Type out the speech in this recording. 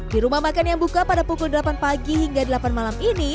di rumah makan yang buka pada pukul delapan pagi hingga delapan malam ini